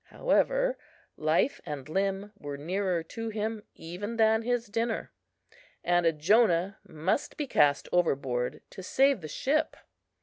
However, life and limb were nearer to him even than his dinner, and a Jonah must be cast overboard to save the ship.